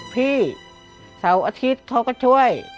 พี่เสาร์อาทิตย์เขาก็ช่วย